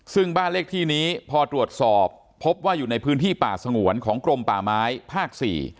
ซึ่งบ้านเลขที่นี้พอตรวจสอบพบว่าอยู่ในพื้นที่ป่าสงวนของกรมป่าไม้ภาค๔